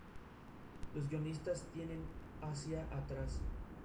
Lazos León fue la que entregó la noticia del asesinato de Emiliano Zapata.